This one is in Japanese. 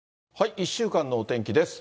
１週間のお天気です。